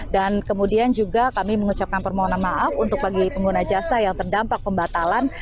dan kemudian juga kami mengucapkan permohonan maaf untuk bagi pengguna jasa yang terdampak pembatalan